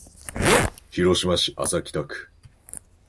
広島市安佐北区